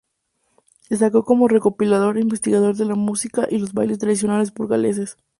Destacó como recopilador e investigador de la música y los bailes tradicionales burgaleses.